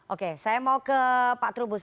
oke saya mau ke pak trubus